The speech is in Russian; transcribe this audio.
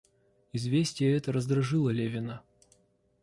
Известие это раздражило Левина.